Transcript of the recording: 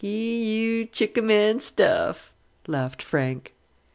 "Hi u chickaman stuff," laughed Frank.